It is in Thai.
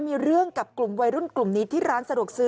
อ้อฟ้าอ้อฟ้า